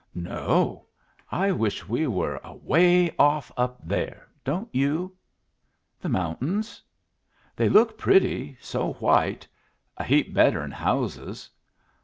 "No. I wish we were away off up there. Don't you?" "The mountains? They look pretty, so white! A heap better 'n houses.